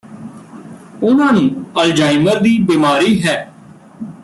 ਉਨ੍ਹਾਂ ਨੂੰ ਅਲਜਾਈਮਰ ਦੀ ਬਿਮਾਰੀ ਹੈ